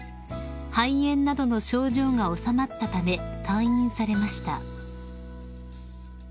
肺炎などの症状が治まったため退院されました］